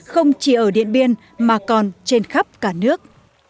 không chỉ ở điện biên mà còn trên khắp cả nước